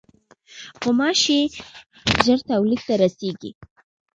غوماشې ژر تولید ته رسېږي.